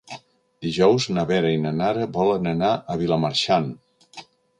Dijous na Vera i na Nara volen anar a Vilamarxant.